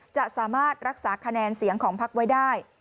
จะสามารถรักษาคะแนนเสียงของพักไว้ได้